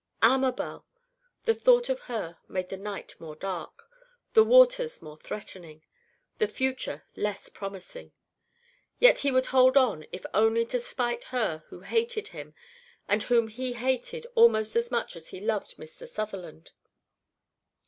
Amabel! the thought of her made the night more dark, the waters more threatening, the future less promising. Yet he would hold on if only to spite her who hated him and whom he hated almost as much as he loved Mr. Sutherland.